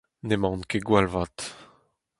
N'emaon ket gwall vat.